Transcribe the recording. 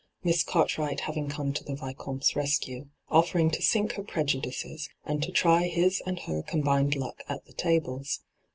Miss Cttrt wright having come to the Vioomte's rescue, offering to sink her prejudices and to try his and her combined luck at the tables.